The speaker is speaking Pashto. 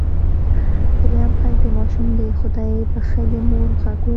دريم غږ د ماشوم د خدای بښلې مور غږ و.